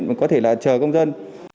mà có thể là chờ công dân